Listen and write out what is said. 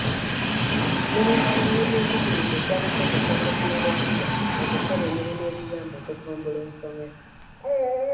Minisitule y'ebyenjigiriza ejja kukozesa tekinologiya okukola emirimu egiyamba okutumbula ensomesa.